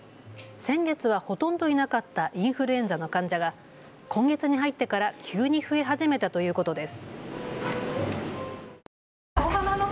先月はほとんどいなかったインフルエンザの患者が今月に入ってから急に増え始めたということです。